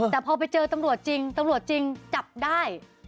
แต่พอไปเจอตำรวจจริงตำรวจจริงจับได้